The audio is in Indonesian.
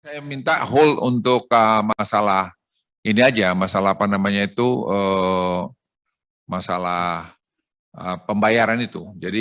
saya minta whole untuk masalah ini aja masalah apa namanya itu masalah pembayaran itu